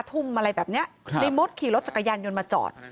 ทุ่มอะไรแบบนี้ในมดขี่รถจักรยานยนต์มาจอด